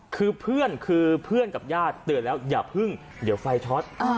คือเพื่อนคือเพื่อนกับญาติเตือนแล้วอย่าพึ่งเดี๋ยวไฟช็อต